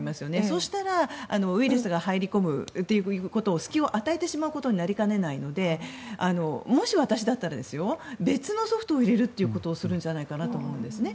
そうしたらウイルスが入り込むという隙を与えてしまうことになりかねないのでもし私だったら別のソフトを入れることをするんじゃないかなと思うんですね。